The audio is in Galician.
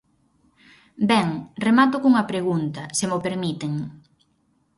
Ben, remato cunha pregunta, se mo permiten.